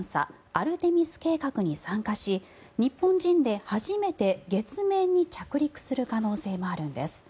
アルテミス計画に参加し日本人で初めて月面に着陸する可能性もあるんです。